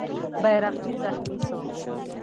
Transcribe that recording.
بیرغچی زخمي سو.